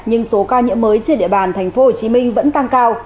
nhưng số ca nhiễm mới trên địa bàn tp hcm vẫn tăng cao